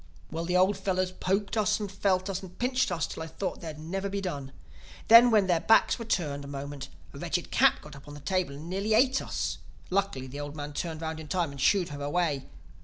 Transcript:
"Well, the old fellows poked us and felt us and pinched us till I thought they'd never be done. Then, when their backs were turned a moment, a wretched cat got up on the table and nearly ate us. Luckily the old men turned round in time and shooed her away.